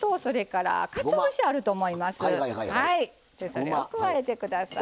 それを加えて下さい。